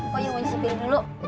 kok yang mau disipirin dulu